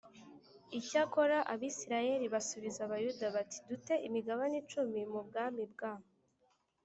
Icyakora Abisirayeli basubiza Abayuda bati du te imigabane icumi mu bwami bwa